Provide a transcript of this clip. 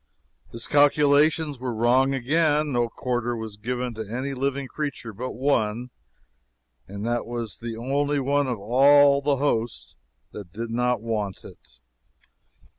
His calculations were wrong again. No quarter was given to any living creature but one, and that was the only one of all the host that did not want it.